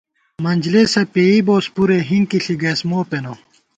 منجلېسہ پېئی بوس پُرے، ہِنکی ݪی گَئیس مو پېنہ